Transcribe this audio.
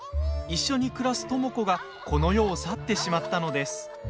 一緒に暮らす知子がこの世を去ってしまったのです。